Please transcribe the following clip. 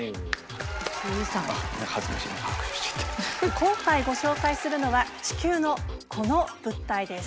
今回ご紹介するのは地球のこの物体です。